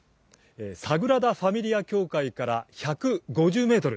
サグラダ・ファミリア教会から１５０メートル。